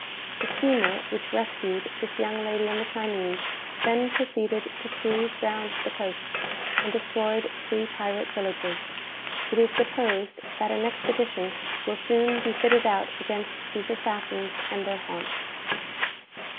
"'The steamer which rescued this young lady and the Chinese, then proceeded to cruise round the coasts, and destroyed three pirate villages. It is supposed that an expedition will soon be fitted out against these assassins and their haunts.'"